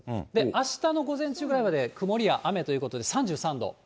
あしたの午前中ぐらいまで曇りや雨ということで、３３度。